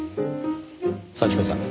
幸子さん